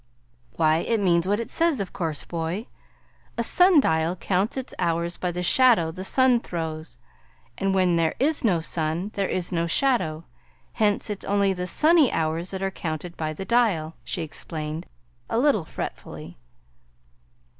"Why, it means what it says, of course, boy. A sundial counts its hours by the shadow the sun throws, and when there is no sun there is no shadow; hence it's only the sunny hours that are counted by the dial," she explained a little fretfully.